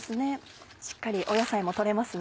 しっかり野菜も取れますね。